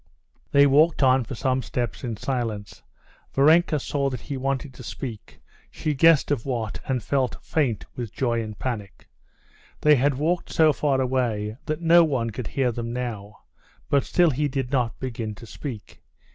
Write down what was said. They walked on for some steps in silence. Varenka saw that he wanted to speak; she guessed of what, and felt faint with joy and panic. They had walked so far away that no one could hear them now, but still he did not begin to speak.